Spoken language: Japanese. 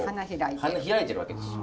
花開いてるわけですよ。